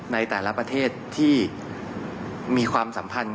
ในแต่ละประเทศที่มีความสัมพันธ์